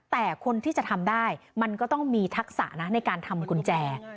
แต่คนที่จะทำได้มันก็ต้องมีทักษะนะในการทำกุญแจ